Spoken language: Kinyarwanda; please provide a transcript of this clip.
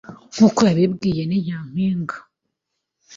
Nk’uko yabibwiye Ni Nyampinga